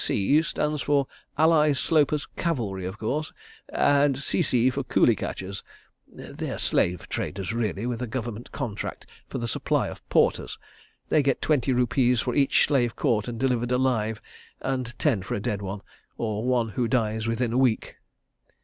S.C.' stands for Ally Sloper's Cavalry, of course, and 'C.C.' for Coolie Catchers. ... They are slave traders, really, with a Government contract for the supply of porters. They get twenty rupees for each slave caught and delivered alive, and ten for a dead one, or one who dies within a week."